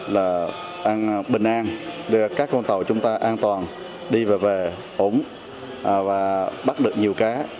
là bình an để các con tàu chúng ta an toàn đi và về ổn bắt được nhiều cá